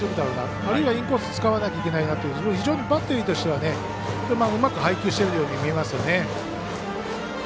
あるいはインコース使わなきゃいけないなと、非常にバッテリーとしてはうまく配球していると思います。